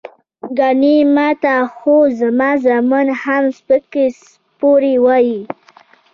ګني ماته خو زما زامن هم سپکې سپورې وائي" ـ